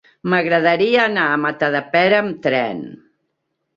M'agradaria anar a Matadepera amb tren.